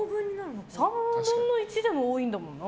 ３分の１でも多いんだもんな。